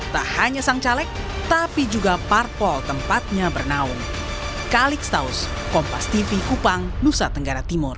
tak hanya sang caleg tapi juga parpol tempatnya bernaung